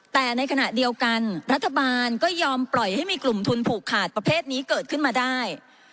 แต่ในขณะเดียวกันรัฐบาลก็ยอมปล่อยให้มีกลุ่มทุนผูกขาดประเภทนี้เกิดขึ้นมาได้